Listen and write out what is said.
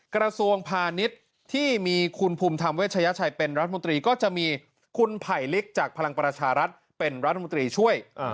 กระทรวงพาณิชย์ที่มีคุณภูมิธรรมเวชยชัยเป็นรัฐมนตรีก็จะมีคุณไผลลิกจากพลังประชารัฐเป็นรัฐมนตรีช่วย